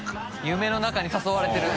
夢の中に誘われてる。